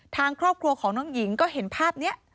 ทางครอบครัวของน้องหญิงก็เห็นภาพนี้